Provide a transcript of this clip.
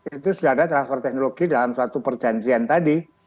itu sudah ada transfer teknologi dalam suatu perjanjian tadi